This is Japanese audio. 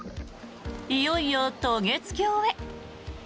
いよいよ渡月橋へ。